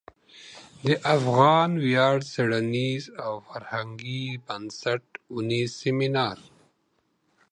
د افغان ویاړ څیړنیز او فرهنګي بنسټ او نیز سمینار